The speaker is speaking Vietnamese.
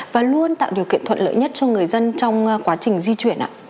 và luôn tạo điều kiện thuận lợi nhất cho người dân trong quá trình di chuyển